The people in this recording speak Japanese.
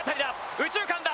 右中間だ。